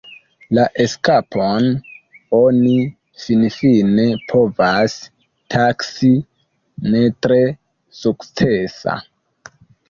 La eskapon oni finfine povas taksi ne tre sukcesa.